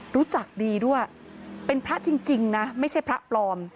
รู้จักดีด้วยเป็นพระจริงนะไม่ใช่พระปลอม